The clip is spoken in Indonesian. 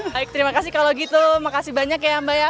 baik terima kasih kalau gitu makasih banyak ya mbak ya